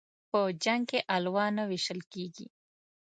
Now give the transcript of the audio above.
په جنگ کې الوا نه ويشل کېږي.